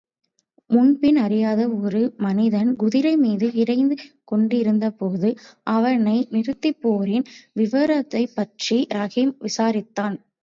முன்பின் அறியாத ஒரு மனிதன் குதிரை மீது விரைந்து கொண்டிருந்தபோது, அவனை நிறுத்திப்போரின் விவரத்தைப்பற்றி ரஹீம் விசாரித்தான்.